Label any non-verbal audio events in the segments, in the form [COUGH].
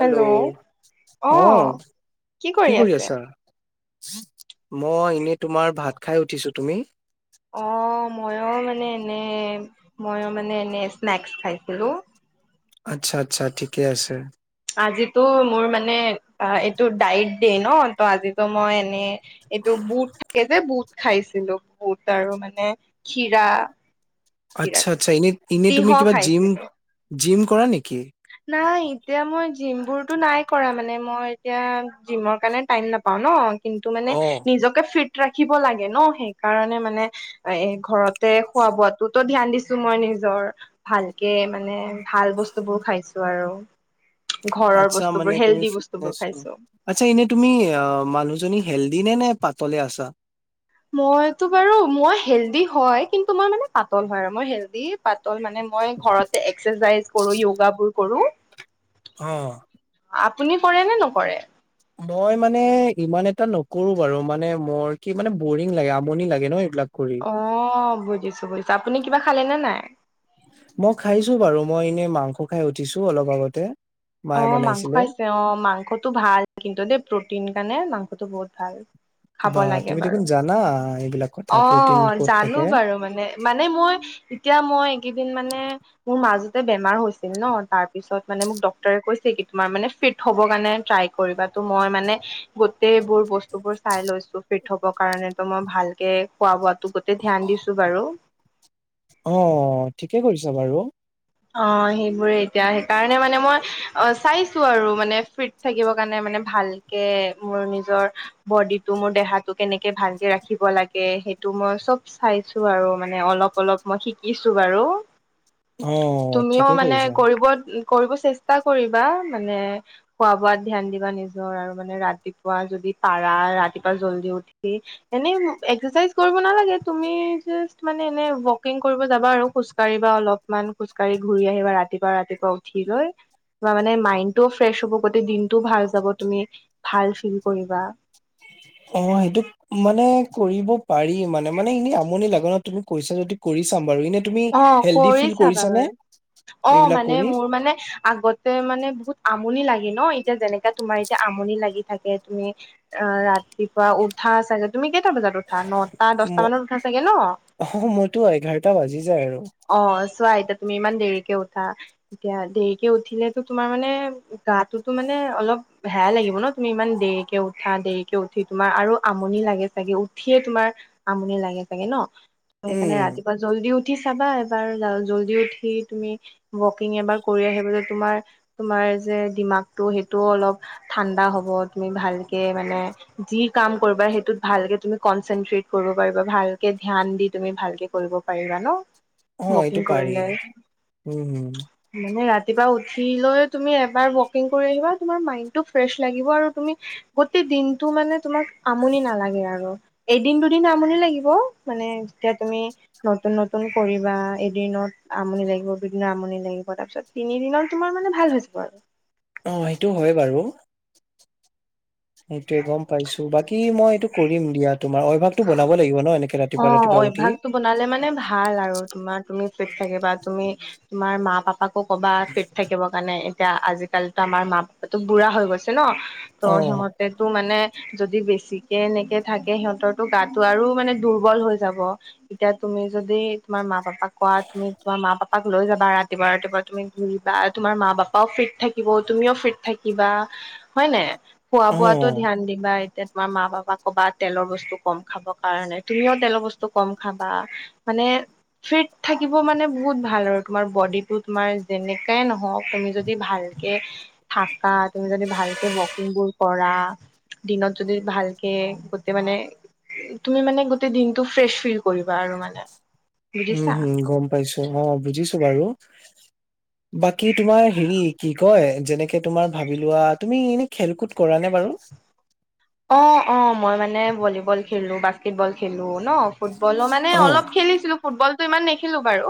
Hello অ অহ, কি কৰি আছা? মই এনে তোমাৰ ভাত খাই উঠিছো তুমি? অ মইয়ো মানে এনে মইয়ো মানে এনে স্নেকস খাইছিলো। আচ্ছা আচ্ছা ঠিকে আছে। আজিতো মোৰ মানে অ এইটো ডাইট দে ন ত আজিতো মই এনেই এইটো বুট থাকে যে বুট খাইছিলো বুত আৰু মানে খিৰা, খিৰা আচ্ছা আচ্ছা এনে ইনে তিয়হ তুমি কিবা জিম, খাইছিলো জিম কৰা নেকি? নাই এতিয়া মই জিম বোৰতো নাই কৰা মানে মই এতিয়া জিমৰ কাৰণে টাইম নাপাও ন। কিন্তু মানে অ নিজকে ফিট ৰাখিব লাগে ন সেইকাৰণে মানে এ ঘৰত খোৱা বোৱাতোতো ধিয়ান দিছো মই নিজৰ ভালকে মানে ভাল বস্তু বোৰ। [INAUDIBLE] ঘৰৰ আচ্ছা বস্তু মানে বোৰ তুমি হেলডি বস্তু ফিটনেছ বোৰ খাইছোঁ। আচ্ছা এনে তুমি অ মানুহজনী হেল্ডি নে নে পাতলে আছা? মইতো বাৰু মই হেল্ডি হয় কিন্তু মই মানে পাতল হয় আৰু মই হেল্ডি পাতল মানে মই ঘৰতে এক্সাৰচাইজ কৰো য়োগ বোৰ কৰো। অ, আপুনি কৰে নে নকৰে? মই মানে ইমান এটা নকৰো বাৰু মানে মোৰ কি মানে বৰিং লাগে আমনি লাগে ন এইবিলাক কৰি। অ, বুজিছোঁ বুজিছোঁ আপুনি কিবা খালে নে নাই? মই খাইছোঁ বাৰু মই এনেই মাংস খাই উঠিছোঁ অলপ আগতে। অ, মায়ে মাংস বনাইছিলে। খাইছে অ, মাংসটো ভাল কিন্তু দেই প্ৰটিন কাৰণে মাংসটো বহুত ভাল। খাব বা লাগে তুমি দেখোন বাৰু জানা এইবিলাক কথা অ প্ৰটিন ক'ত জানো থাকে বাৰু মানে মানে মই এতিয়া মই একেইদিন মানে মোৰ মাজতে বেমাৰ হৈছিল ন তাৰ পিছত মানে মোক [INAUDIBLE] তোমাৰ মানে ফিত হবৰ কাৰণে ট্ৰাই কৰিবা, ত' মই মনে গোটেইবোৰ বস্তু বসু বোৰ চাই লৈছো ফিট হব কাৰণো মই ভালকে খোৱা বাতো গোটই ধ্যান দিছোঁ বাৰু। অ, ঠিকে কৰিছা বাৰু। অ সেইবোৰে এতিয়া সেইকাৰণে মানে মই অ চাইছো আৰু মানে ফিট থাকিব কাৰণে মানে ভালকে মোৰ নিজৰ বডি টো মোৰ দেহাটো কেনেকে ভালকে ৰাখিব লাগে সেইটো মই চব চাইছোঁ আৰু মানে অলপ অলপ মই শিকিছোঁ বাৰু। অ তুমিও ঠিকে মানে কৰিছা কৰিব কৰিব চেষ্টা কৰিবা মানে খোৱা বোৱাত ধ্যান দিবা নিজৰ আৰু মানে ৰাতিপুৱা যদি পাৰা ৰাতিপুৱা জল্দি উঠি এনে একচাইজ কৰিব নালাগে তুমি জা মানে এনে ৱকিং কৰিব যাবা আৰু খ খোজ কাঢ়িবা অলপমান খোজ কাঢ়ি ঘূৰি আহিবা ৰাতিপুৱা ৰাতিপুৱা উঠি গৈ। বা মানে মাইডটোও ফ্ৰেছ হ'ব গোট দিনটোও ভাল যাব তুমি ভাল ফিল কৰিবা। অ, সেইটো। মানে কৰিব পাৰি মানে, মানে এনে আমনি লাগে ন তুমি কৈছা যদি কৰি চাম বাৰু এনে তুমি অ হেল্ডি কৰি ফিল চাবা কৰিছানে বাৰু অ এইবিলাক মানে কৰি মোৰ মানে আগত মানে বহুত আমনি লাগি ন, এতিয়া যেনেকাে তোমাৰ এতিয়া আমনি লাগি থাকে তুমি অ, ৰাতিপুৱা উঠা চাগে তুমি কেইটা বজাত উঠা নটা, ম দশটা মানত উঠা চাগে ন। অ, সময়তো এঘাৰটা বাজি যায় আৰু। অ, চোৱা এতিয়া তুমি ইমান দেৰিকে উঠা। এতিয়া দেৰিকে উঠিলেতো তোমাৰ মানে গাতোটো মানে অলপ বেয়া লাগিব ন তুমি ইমান দেৰিকে উঠা দেৰিকে উঠি তোমাৰ আৰু আমনি লাগে চাগে উঠিয়ে তোমাৰ আমনি লাগে চাগে ন ত উম সেইকাৰণে ৰাতিপুৱা জল্দিও উঠি চাবা এবাৰ জল্দি উঠি তুমি ৱকিং এবাৰ কৰি আহিব যে তোমাৰ তোমাৰ যে ডমাগটো সেইটোও অলপ ঠাণ্ডা হ'ব তুমি ভালকে মানে যি কাম কৰিবা সেইটোত ভালকে তুমি কনচনট কৰিব পাৰিবা ভালকে ধান দি তুমি ভালকে কৰিব পাৰিবা ন। অ, এইটো ৱকিং পাৰি কৰিলে উম, হম। মানে ৰাতিপুৱা উঠিলৈ তুমি এবাৰ ৱকিং কৰি আহিবা তোমাৰ মাইণ্ডটো ফ্ৰেছ লাগিব আৰু তুমি গোটেই দিনটো মানে তোমাক আমনি নালাগে আৰু। এদিন, দুদিন আমনি লাগিব মানে যেতিয়া তুমি নতুন, নতুন নতুন কৰিবা এদিনত আমনি লাগিব দুদিনত আমনি লাগিব তাৰপিছত তিনিদিনত তোমাৰ মানে ভাল হৈ যাব আৰু। অ, সেইটো হয় বাৰু। সেইটোয়ে গম পাইছো বাকী মই এইটো কৰিম দিয়া তোমাৰ অ'। [UNINTELLIGIBLE] বনাব লাগিব ন এনেকে অ ৰাতিুৱা, ৰাতিপুৱা উঠি। অভ্যাসটো বনালে মানে ভাল আৰু তোমাৰ তুমি চইট থাকিবা তুমি তোমাৰ মা-পাপাক [UNINTELLIGIBLE] কবাত ফিট থাকিব কাৰণে এতিয়া আজিকালো আমাৰ মা-বাপো বুঢ়া হৈ গৈছে ন। ত' অ সিহতেতো মানে যদি বেছিকে এনেকে থাকে সিহঁতৰ গাটো আৰু মানে দুৰ্বল হৈ যাব এতিয়া তুমি যদি তোমাৰ মা-বাপা পাকোৱা তুমি তোৰ মা-পাপা পাপাক লৈ যাবা ৰাতিপুৱা, ৰাতিপুৱা তুমি ঘূৰিবা তোমাৰ মা-বাপাও ফিট থাকিব তুমিও ফিট থাকিবা। হয় নাই খোৱা বোৱাতো অ ধ্যান দিবা এতিয়া তোমাৰ মা-বাপাক ক'বা তেলৰ বস্তু কম খাব কাৰণে তুমিও তেলৰ বস্তু কম খাবা মানে ফিট থাকিব মানে বহুত ভাল আৰু তোমাৰ বডিটো তোমাৰ যেনেকাই নহওক তুমি যদি ভাল থাকা তুমি যদি ভালকে ৱকিং বোৰ কৰা। দিনত যদি ভালকে কৰ মানে তুমি মানে গোটেই দিনটো ফ্ৰেচ ফিল কৰিবা আৰু মানে উম, বুজিছা? হম, গম পাইছো অ, বুজিছো বাৰু। [UNINTELLIGIBLE] বাকী তোমাৰ হেৰি কি কয় যেনেকে তোমাৰ ভাবি লোৱা তুমি এনে খেল কুদ কৰা নে বাৰু। অ', অ', মই মানে ভলীবল খেলো বাস্কেটবল খেলো ন। ফুটবলো মানে অ', অলপ খেলিছিলো ফুটবলতটো ইমান নেখেলো বাৰু।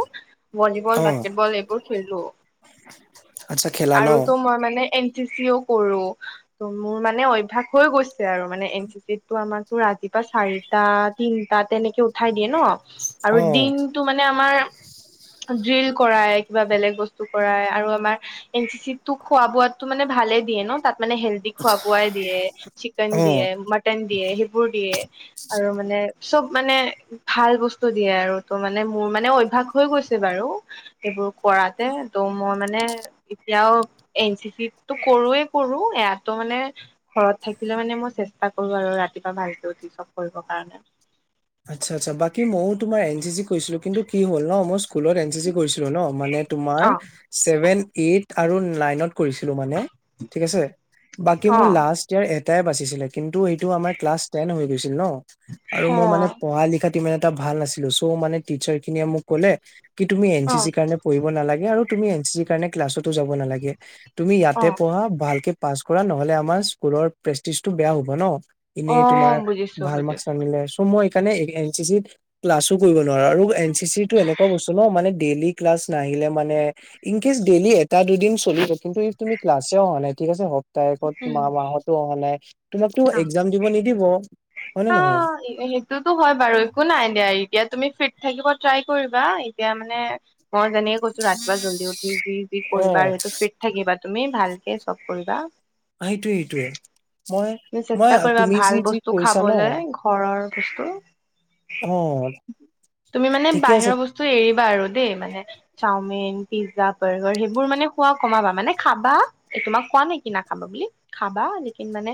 ভলীবল অ', বাস্কেটবল এইবোৰ খেলো। আচ্ছা খেলা ন? আৰুতো মই মানে এন টি চি অও কৰো ত মোৰ মানে অভ্যাস হৈ গৈছে। আৰু মানে এন চি চিত তটো আমাক ৰাতিপা চাৰিটা, তিনটা তেনেকে উঠাই দিয়ে ন। আৰু অ', দিন টো মানে আমাৰ ড্ৰিল কৰাই কিবা বেলেগ বস্তু কৰা আৰু আমাৰ এন চি চি তোক খোৱা, বোৱো মানে ভালে দিয়ে ন তাত। মানে হেল্ডি খোৱা বোৱাই দিয়ে, চিকেন অ'। দিয়ে, মটন দিয়ে, সেইবোৰ দিয়ে। আৰু মানে চব মানে ভাল বস্তু দিয়ে আৰু তো মানে মোৰ মানে অভ্্যয়াস হৈ গৈছে বাৰু এইবোৰ কৰাতে তৌ মই মানে এতিয়াও এন চি চিো কৰোৱে কৰো এয়াতো মানে ঘৰত থাকিলে মানে মই চেষ্টা কৰো আৰু ৰাতিপুৱা ভালকৈ উঠি চব কৰিবৰ কাৰণে আচ্ছা আচ্ছ বাকী মইো তোমাৰ এ চি চি কৈছিলো কিন্তু কি হ'ল ন অল স্কুলত এন চি চি কৰিছিলো ন মানে তোমাৰ অ ছেভেন এইট আৰু নাইনত কৰিছিলো মানে ঠিকছে বাকী অ মোৰ লা এ আম্া গ আৰু মই মানে অ পঢ়া লিখাত ইমান এটা ভাল নাছিলো' মানে টিচাৰ খিনিয়ে মোক কলে কি তুমি এন অ চি চি কাৰণ আৰু ত এ চিিৰ কাৰণ ক্লাছ যাব নালাগে তুমি অ ইয়াতে পঢ়া ভাল পাছ কৰা নহলে আমাৰ স্কুলৰ প্ৰেক্টিচটো বেয়া হ'ব ন অ এনেই তোমাৰ বুজিছো ভাল মাৰ্কচ বুজিছো নানিলে চ' মই স এইকাৰণে এন চি চিত ক্লাছো কৰিব নোৱাৰো আৰু এন চি চিো এনেকুৱা বস্তু ন মানে ডেইলি ক্লাছ নাহিলে মানে ইন কেচ ডেইলি এটা দুদিন চলি য কিন্তু ইফ তুমি ক্লাছে অহা নাই ঠিক আছে হওক তাৰখত মা উম মাহতো অহা নাই তোমাকতো এক্জাম দিব নিদিব হয় নে নহয় সটোতো হয় বাৰু একো নাই দিয়া এতিয়া তুমি ফিট থাকিব ট্ৰাই কৰিবা এতিয়া মানে মই যেনেে কৈছো ৰাতিুৱা জল্দি উঠি যি যি অ কৰিবা আৰু সেইটো ফি থাকিবা তুমি ভালকে চব কৰিবা সেইটোয়ে সেইটোয়ে মই তুমি মই চেষ্টা কৰিবা তুমি ভাল যি যি বস্তু কৈছা ন খাবলৈ ঘৰৰ বস্তু অ তুমি মানে ঠিকে আছে বাহিৰৰ বস্তু ত এৰিবা আৰু দেই মানে চাওমিন পিজ্জা বাৰ্গাৰ সেইবোৰ মানে খোৱা কমাবা মানে খাবা তোমাক কোৱা নে কি না খাবা বুলি খাবা যিকিন মানে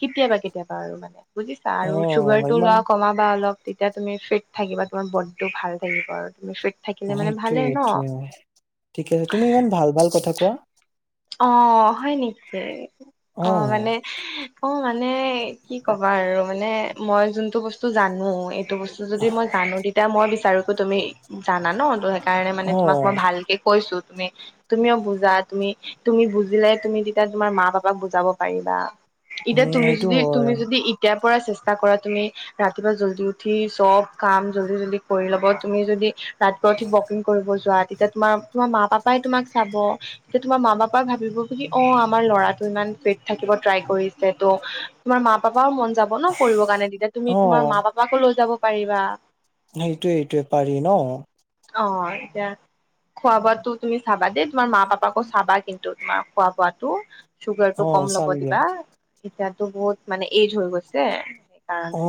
কেতিয়াবা কেতিয়াবা আৰু মানে বুজিছা অ আৰু চুগাৰ টো ইমান লোৱা কমাব বা অলপ তেতিয়া তুমি ফিট থাকিবা তুমাৰ বডটো ভাল থাকিব আৰু তুি ফি সেইটোোৱে এইটোয়ে ঠিক আছে তুমি ইমান ভাল ভাল কথা কোৱা অ হয় নেকি অ মানে অ মানে কি কবা আৰু মানে মই যোনটো বস্তু ব্তু জানো এইটো বস্তু যদি মই জানো তেতিয়া মই বিচাৰোো তুমি জানা ন কাৰণে মানে অ তোমাক মই ভালকে কৈছো তুমি তুমিও বুজা তুমি তুমি বুজিলে তুমি তেতিয়া তোমাৰ মা বাপাক বুজাব পাৰিবা উম এতিয়া তুমি সেইটো যদি হয় তুমি যদি তেতিয়াৰ পৰা চেষ্টা কৰা তুমি ৰাতিপুৱা জল্দি উঠি চব কাম জলদি জল্দি কৰি লব তুমি যদি তাত গৈ উঠি ৱকিং কৰিব যোৱা তেতিয়া তোমাৰ তোমাৰ মা পাপাই তোমাক চাব তেতিয়া তোমাৰ মা পাপা ভাবিব বুলি অ আমাৰ ল'ৰাটো ইমান ফিট থাকিব ট্ৰাই কৰিছে ত তোমাৰ মা পাপাও মন যাব হ ন কৰিব কাৰণে তেতিয়া তুমি অ তোমাৰ মা পাপাকো লৈ যাব পাৰিবা সেইটোয়ে এইটোোৱে পাৰি ন অ এতিয়া খোৱা বোৱাো তুমি চাবা দেই তোমাৰ মা পাপাকো চাবা কিন্তু তোমাৰ খোৱা বোৱাটো চুগাৰ টো অ কম ল'ব চাম দিয়া দিবা এতিয়াতো বহুত মানে এইজ হৈ গৈছে সেইকাৰণ অ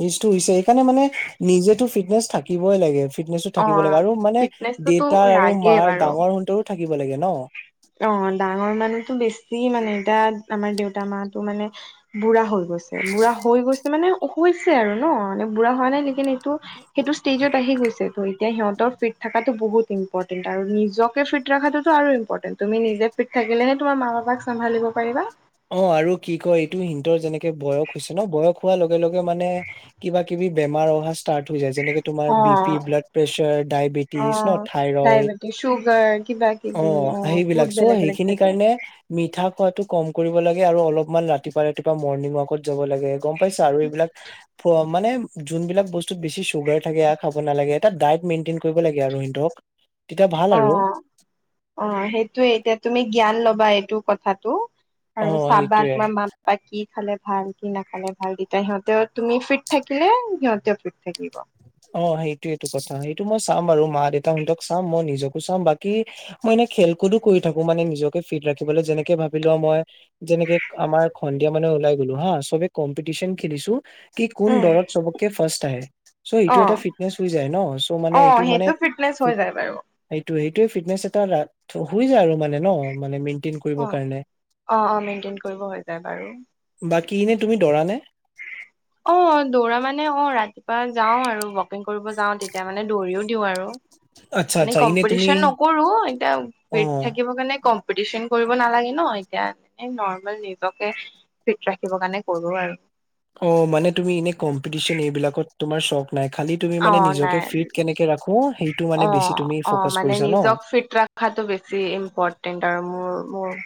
নিটো হৈছে এইকাৰণে মানে নিজেতো ফিটনেচ থাকিবই লাগে ফিটনেচো অ থাকিব লাগে আৰু মানে ফিটনেচটোতো দেউতা আৰু লাগেই মাৰ বাৰু ডাঙৰ হুতৰো থাকিব লাগে ন অ ডাঙৰ মানহো বেছি মানে এতিয়া আমাৰ দেউতা মটো মানে বুঢ়া হৈ গৈছে বুঢ়া হৈ গৈছে মানে হৈছে আৰু ন মানে বুঢ়া হোৱা নাই লকিন এইটো সেইটো ষ্টেজত আহি গৈছে ত এতিয়া সিহঁতৰ ফিট থকাটো বহুত ইম্পৰ্টেন্ট আৰু নিজকে ফিট ৰখো আৰু ইম্পৰ্টেণ্ তুি নিজে ফিট থাকিলেহে তোমাৰ মা বাপাক চ্ভিব পাৰা অ আৰু কি কয় এইটো সিহঁতৰ যেনেকে বয়স হৈছে ন বয়স হোৱাৰ লগে লগে মানে কিবা কিবি বেমাৰ অহা ষ্টাৰ্ট হৈ যায় যেনেকে তোমাৰ অ বি পি ব্লাড প্ৰেছাৰ অ ডায়েবেটিছ ন থাইৰইড ডায়বেটিছ চুগাৰ কিবা অ কিবি সেইবিলাক বহুত চ বেলেগ বেলেগ সেইখিনি থাকে কাৰণে মিঠা খোৱাতটো কম কৰিব লাগে আৰু অলপমান ৰাতিপুৱা ৰাতিপুৱা মৰ্ণিং ৱাকত যাব লাগে গম পাইছো আৰু এইবিলাক মানে যোনবিলাক বস্তুত বেছি চুগাৰ থাকে আৰু খাব নালাগে এটা ডায়েট মেইনটেইন কৰিব লাগে আৰু সিহতক অ অ সেইটোোৱে এতিয়া তুমি জ্ঞান ল'বা এইটো কথাটো অ আৰু চাহাবা সেইটোয়ে তোমাৰ মা বা কি খালে ভাল, কি নাখালে ভাল, তেতিয়া সিহঁতে তুমি ফিট থাকিলে সিহঁতেও ফিট থাকিব। অ', সেইটোয়েটো কথা, সেইটো মই চাম আৰু, মা দেউতাহঁতক চাম মই নিজকো চাম। বাকী মই এনে খেল কোদো কৰি থাকো মানে নিজকে ফিট ৰাখিবলে, যেনেকে ভাবি লোৱা মই যেনেকে আমাৰ সন্ধিয়া মানে ওলাই গলো হা, চবে কম্পিটিচন খেলিছো। কি কোন উম দৰত চবতকে ফাৰ্ষ্ট আহে। চ' এইটো অ এটা ফিটনেচ হৈ যায় ন? চ' মানে অ এইটো মানে সেইটো ফিটনেচ হৈ যায় বাৰু সেইটো-সেইটোয়ে ফিটনেচ এটা হৈ যায় আৰু মানে ন, মানে মেইনটেইন কৰিবৰ অ', কাৰণে অ' অ' মেইনটেইন কৰিব হৈ যায় বাৰু বাকী ইনে তুমি দ'ৰা নে? অ' দৌৰা মানে অ, ৰাতিপুৱা যাও আৰু, ৱকিং কৰিব যাও তেতিয়া মানে দৌৰিও দিওঁ আৰু আচ্ছা এনেই আচ্ছা এনে তুমি কম্পিটিশন নকৰো, এতিয়া অ ৱেত থাকিব কাৰণে ক কৰিব নালাগে ন এতিয়া ন নিজকে ফিট ৰাখিব কাৰণে কৰো আৰু অ মানে তুমি এনে কম্পিটিচন এইবিলাকত তোমাৰ চখ নাই খালি তুমি অ মানে নিজকে নাই ফিট কেনেকে ৰাখো সেইটো মানে অ বেছি তুমি অ ফকাচ মানে কৰিছা ন নিজক ফিট ৰখাটো বেছি ইম্পৰ্টেন্ট আৰু মোৰ মোৰ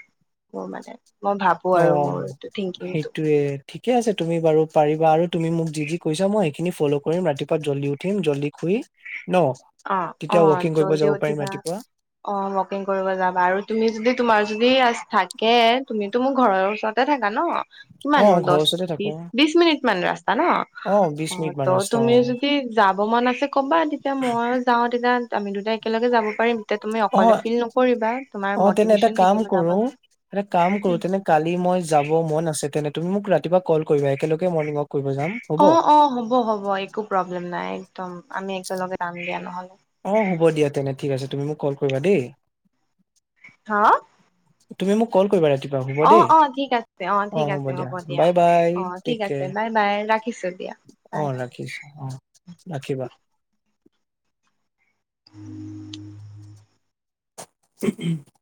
মোৰ মানে মই ভাবো অ আৰু মোৰ এইটো থিংকিং টো সেইটোয়ে ঠিকে আছে তুমি বাৰু পাৰিবা আৰু তুমি মোক যি যি কৈাই সেইখিনি ফল কৰিম ৰাতিপুৱা জল্দি উঠিম জল্দিুই ন অ অ তেতিয়া ৱকিং কৰিব জল্দি যাব পাৰিম উঠিবা ৰাতিপুৱা অ ৱকিং কৰিব যাবা আৰু তুমি যদি তোমাৰ যদি থাকে তুমিতটো মোৰ ঘৰৰ ওচৰত থাককা ন অ কিমাননো ঘৰৰ দহ ওচৰতে থাকো বিশ বিশ মিনিট মান ৰাস্তা ন বিশ অ মিনিট মান ত ৰাস্তা অ তুমিও যদি যাব মন আছে কবা তেতিয়া মইো যাও তেতিয়া আমি দুটাই একেলগে যাব পাৰিম এতিয়া তুমি অ অকলে ফিল নকৰিবা তোমাৰ মিভেশচন থাকিব যাব এ কাম কৰো তেনে কালি মই যাব মন আছে তেনে তুমি মোক ৰাতিপুৱা কল কৰিবা একেলগে মৰ্ণিং ৱাক কৰিব যাম হ'ব অ অ হ'ব হ'ব একো প্ৰব্লেম নাই একদম আমি একেলগে যাম দিয়া নহলে অ হ'ব দিয়া তেনে ঠিক আছে তুমি মোক কল কৰিবা দেই হা তুমি মোক কল কৰিবা ৰাতিপুৱা হ'ব অ দেই অ ঠিক আছে অ ঠিক আছে হ'ব দিয়া বাই বাই অ ঠিক টেক আছে কেয়াৰ বাই বাই ৰাখিছো দিয়া অ বাই ৰাখিছো অ ৰাখিবা উম স